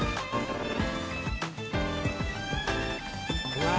うわ！